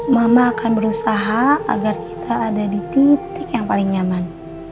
mama akan berusaha agar kita ada di titik yang paling nyaman